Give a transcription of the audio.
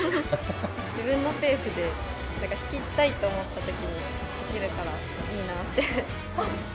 自分のペースで、引きたいと思ったときに、できるからいいなって。